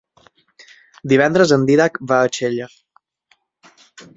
Divendres en Dídac va a Xella.